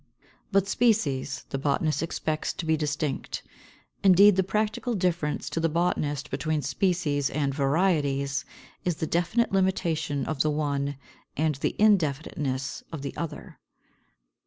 But species, the botanist expects to be distinct. Indeed, the practical difference to the botanist between species and varieties is the definite limitation of the one and the indefiniteness of the other.